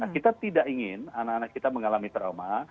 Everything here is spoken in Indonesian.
kita tidak ingin anak anak kita mengalami trauma